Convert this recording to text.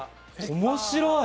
面白い！